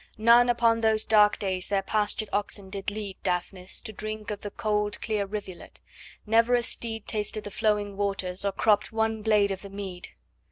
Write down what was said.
None upon those dark days their pastured oxen did lead, Daphnis, to drink of the cold clear rivulet; never a steed Tasted the flowing waters, or cropped one blade in the mead.